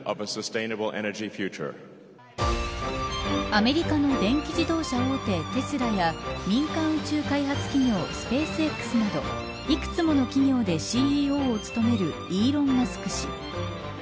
アメリカの電気自動車大手テスラや民間宇宙開発企業スペースＸなど幾つもの企業でＣＥＯを務めるイーロン・マスク氏。